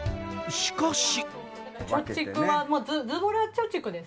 しかし。